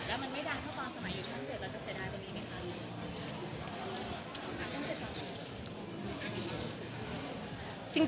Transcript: แล้วมันไม่ดังเท่าตอนสมัยอยู่ช่อง๗เราจะเสียดายกว่านี้ไหมคะ